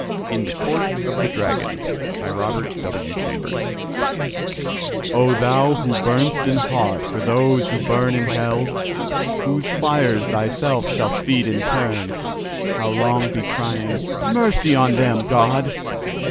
IN THE COURT OF THE DRAGON "Oh, thou who burn'st in heart for those who burn In Hell, whose fires thyself shall feed in turn; How long be crying—'Mercy on them.' God!